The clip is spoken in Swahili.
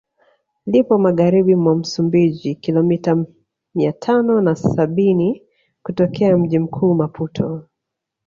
Lipo Magharibi mwa Msumbiji kilomita mia tano na sabini kutokea mji mkuu Maputo